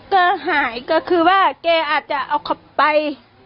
ก็หายก็คือว่าแกอาจจะเอาเขาไป